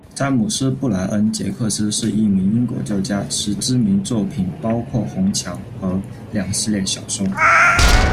詹姆士·布莱恩·杰克斯是一名英国作家，其知名作品包括《红墙》和《》两系列小说。